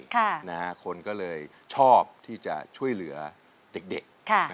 คนก็เลยชอบที่จะช่วยเหลือเด็ก